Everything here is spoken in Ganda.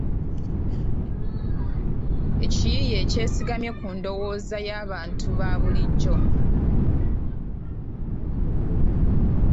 Ekiyiiye ekyesigamye ku ndowooza y'abantu ba bulijjo.